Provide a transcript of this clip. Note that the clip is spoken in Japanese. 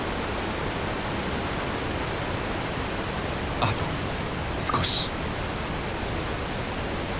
あと少し。